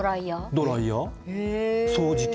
ドライヤー掃除機。